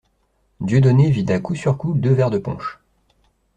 Dieudonné vida coup sur coup deux verres de punch.